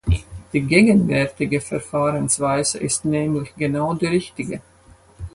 Die gegenwärtige Verfahrensweise ist nämlich genau die richtige.